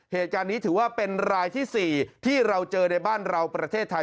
เหตุการณ์นี้ถือว่าเป็นรายที่๔ที่เราเจอในบ้านเราประเทศไทย